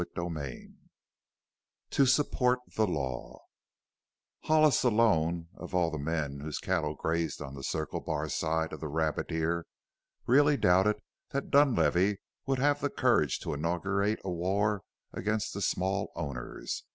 CHAPTER XV TO SUPPORT THE LAW Hollis alone, of all the men whose cattle grazed on the Circle Bar side of the Rabbit Ear, really doubted that Dunlavey would have the courage to inaugurate a war against the small owners.